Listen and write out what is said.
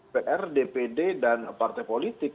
pr dpd dan partai politik